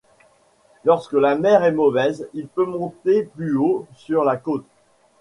Lorsque la mer est mauvaise, il peut monter plus haut sur la côte.